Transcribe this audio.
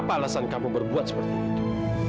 apa alasan kamu berbuat seperti itu